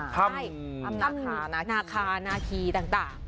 ทำหน้าค้าหน้าทีต่าง